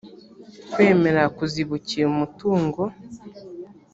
kwemera kuzibukira umutungo